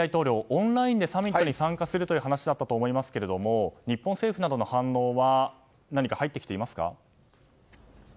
オンラインでサミットに参加するという話だったと思いますけども日本政府などの反応は何か入ってきていますか？